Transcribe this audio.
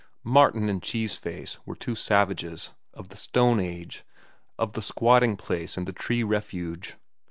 Martin and Cheese Face were two savages, of the stone age, of the squatting place and the tree refuge.